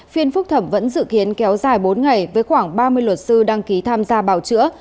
phiên phúc thẩm vẫn dự kiến kéo dài bốn ngày với khoảng ba mươi luật sư đăng ký tham gia bào chữa